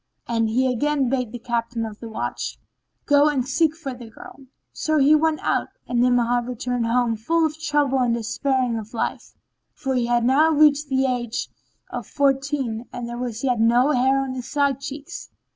And he again bade the Captain of the Watch, "Go and seek for the girl." So he went out, and Ni'amah returned home full of trouble and despairing of life; for he had now reached the age of fourteen and there was yet no hair on his side cheeks.